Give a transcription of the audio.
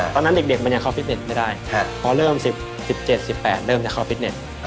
ตอนนั้นเด็กมันยังเข้าฟิตเน็ตไม่ได้พอเริ่ม๑๗๑๘เริ่มจะเข้าฟิตเน็ต